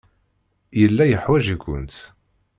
Yella yeḥwaj-ikent.